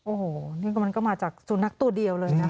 โอ้โหนี่ก็มันก็มาจากสุนัขตัวเดียวเลยนะคะ